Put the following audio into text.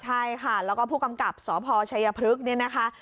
ใช่ค่ะแล้วก็ผู้กำกับสพชัยพฤกษ์เนี่ยนะคะ